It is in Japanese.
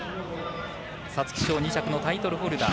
皐月賞２着のタイトルホルダー。